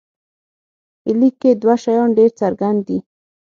په لیک کې دوه شیان ډېر څرګند دي.